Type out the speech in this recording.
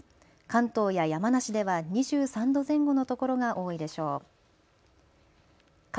関東や山梨では２３度前後の所が多いでしょう。